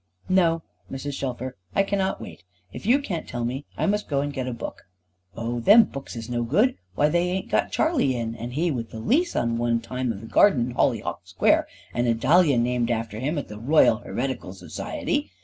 "No, Mrs. Shelfer, I cannot wait. If you can't tell me, I must go and get a book." "Oh them books is no good. Why they ain't got Charley in, and he with the lease one time of the garden in Hollyhock Square, and a dahlia named after him at the Royal Heretical Society!